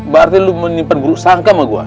berarti lu menimpan buruk sangka sama gua